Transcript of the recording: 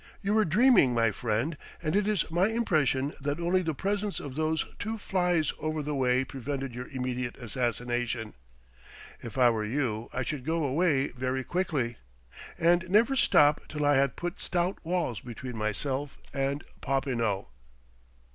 You were dreaming, my friend, and it is my impression that only the presence of those two flies over the way prevented your immediate assassination. If I were you, I should go away very quickly, and never stop till I had put stout walls between myself and Popinot."